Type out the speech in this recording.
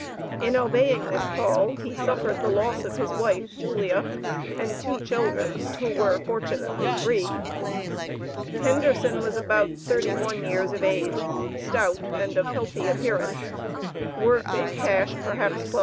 In obeying this call he suffered the loss of his wife, Julia, and two children, who were fortunately free. Henderson was about thirty one years of age, stout, and of healthy appearance, worth in cash perhaps $1200.